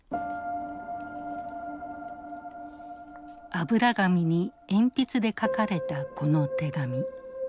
油紙に鉛筆で書かれたこの手紙。